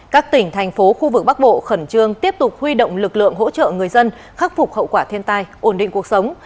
các tỉnh thành phố khu vực bắc bộ khẩn trương tiếp tục huy động lực lượng hỗ trợ người dân khắc phục hậu quả thiên tai ổn định cuộc sống